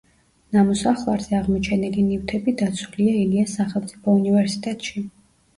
ნამოსახლარზე აღმოჩენილი ნივთები დაცულია ილიას სახელმწიფო უნივერსიტეტში.